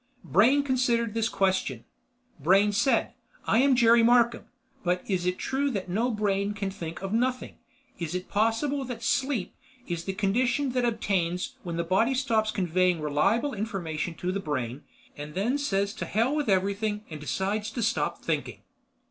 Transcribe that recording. Brain considered this question. Brain said, I am Jerry Markham. But is it true that no brain can think of nothing? Is it possible that "Sleep" is the condition that obtains when the body stops conveying reliable information to the brain, and then says to Hell with Everything and decides to stop thinking?